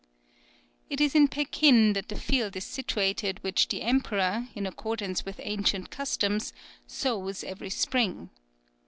] It is in Pekin that the field is situated which the emperor, in accordance with ancient custom, sows every spring.